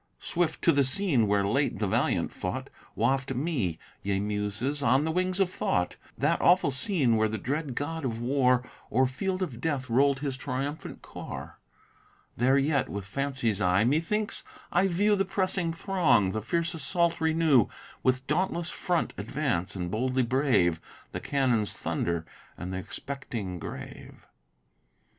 Swift, to the scene where late the valiant fought, Waft me, ye muses, on the wings of thought That awful scene where the dread god of war O'er field of death roll'd his triumphant car: There yet, with fancy's eye, methinks I view The pressing throng, the fierce assault renew: With dauntless front advance, and boldly brave The cannon's thunder and th' expecting grave.